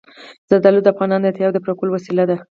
زردالو د افغانانو د اړتیاوو د پوره کولو وسیله ده.